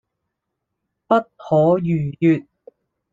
不可逾越